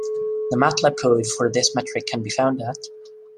The Matlab code for this metric can be found at.